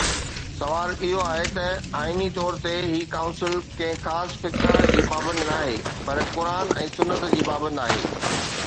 سوال اهو آهي ته آئيني طور هي ڪائونسل ڪنهن خاص فقه جي پابند ناهي، پر قرآن ۽ سنت جي پابند آهي.